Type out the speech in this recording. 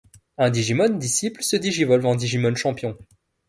Un digimon disciple se digivolve en digimon champion.